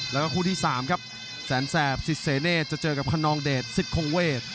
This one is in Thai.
แล้วก็คู่ที่๓ครับแสนแสบสิทเสเนธจะเจอกับคนนองเดชสิทธงเวท